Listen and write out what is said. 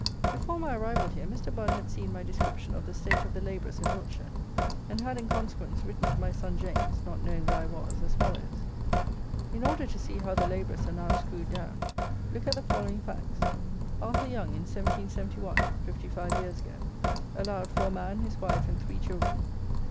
Before my arrival here, Mr. Budd had seen my description of the state of the labourers in Wiltshire, and had, in consequence, written to my son James (not knowing where I was) as follows: "In order to see how the labourers are now screwed down, look at the following facts: Arthur Young, in 1771 (55 years ago) allowed for a man, his wife and three children 13_s.